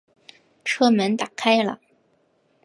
车门打开了